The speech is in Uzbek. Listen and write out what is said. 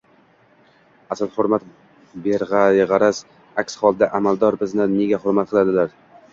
Asl hurmat beg’arazdir. Aks holda, amaldorlar bizni nega hurmat qiladilar…